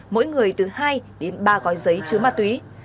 mỗi người từ hai đến ba gói giấy chứa ma túy